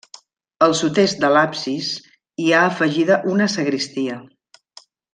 Al sud-est de l'absis hi ha afegida una sagristia.